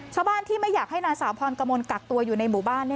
ชาวบ้านที่ไม่อยากให้นางสาวพรกมลกักตัวอยู่ในหมู่บ้าน